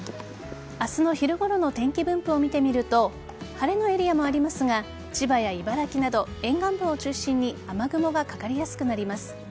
明日の昼ごろの天気分布を見てみると晴れのエリアもありますが千葉や茨城など、沿岸部を中心に雨雲がかかりやすくなります。